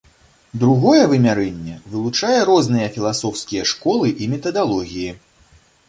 Другое вымярэнне вылучае розныя філасофскія школы і метадалогіі.